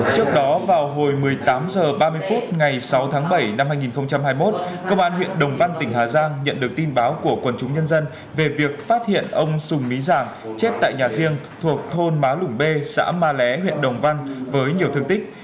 trước đó vào hồi một mươi tám h ba mươi phút ngày sáu tháng bảy năm hai nghìn hai mươi một công an huyện đồng văn tỉnh hà giang nhận được tin báo của quần chúng nhân dân về việc phát hiện ông sùng mí giàng chết tại nhà riêng thuộc thôn má lủng b xã ma lé huyện đồng văn với nhiều thương tích